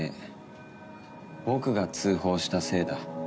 僕が通報したせいだ。